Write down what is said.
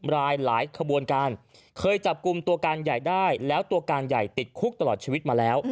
รายหลายขบวนการเคยจับกลุ่มตัวการใหญ่ได้แล้วตัวการใหญ่ติดคุกตลอดชีวิตมาแล้ว